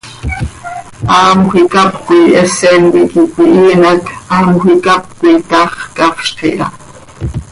Haamjö icáp coi hesen coi iiqui cöihiin hac haamjö icáp coi, taax cafzx iha.